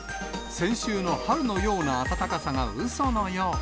先週の春のような暖かさがうそのよう。